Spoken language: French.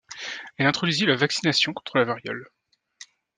Elle introduisit la vaccination contre la variole.